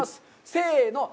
せの。